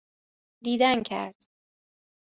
دیدنکرد